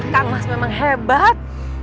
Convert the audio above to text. kang mas memang hebat